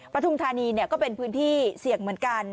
ปฐุมธานีก็เป็นพื้นที่เสี่ยงเหมือนกัน